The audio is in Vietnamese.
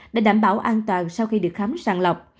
để đảm bảo an toàn sau khi được khám sàng lọc